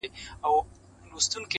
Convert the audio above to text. هغه له وېرې څخه لرې له انسانه تښتي~